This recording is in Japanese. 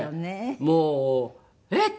もうえっ！